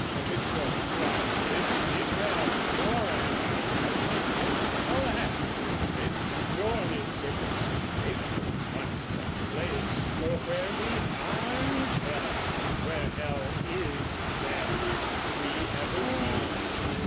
Mephisto. Why this is hell, nor am I out of it. Hell hath no limits, nor is circumscribed In one self place; for where we are is hell, And where hell is there must we ever be.